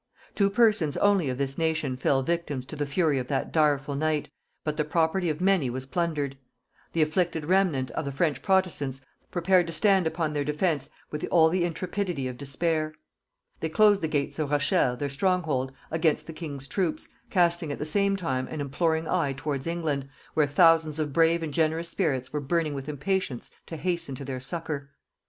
Two persons only of this nation fell victims to the fury of that direful night, but the property of many was plundered. The afflicted remnant of the French protestants prepared to stand upon their defence with all the intrepidity of despair. They closed the gates of Rochelle, their strong hold, against the king's troops, casting at the same time an imploring eye towards England, where thousands of brave and generous spirits were burning with impatience to hasten to their succour.